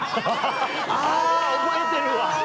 あぁ！覚えてるわ。